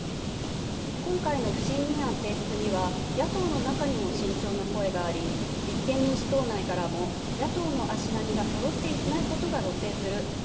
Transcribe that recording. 今回の不信任案提出には野党の中にも慎重な声があり、立憲民主党内からも野党の足並みがそろっていないことが露呈する。